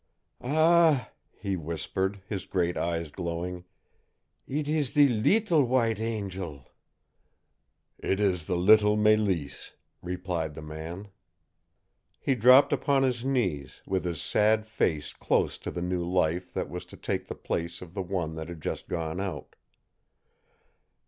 "Ah," he whispered, his great eyes glowing. "It ees the LEETLE white angel!" "It is the little Mélisse," replied the man. He dropped upon his knees, with his sad face close to the new life that was to take the place of the one that had just gone out.